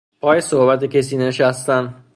پا صحبت کسی نشستن